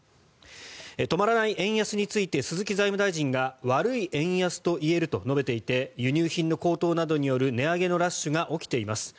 止まらない円安について鈴木財務大臣が悪い円安といえると述べていて輸入品の高騰などによる値上げのラッシュが起きています。